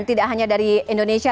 tidak hanya dari indonesia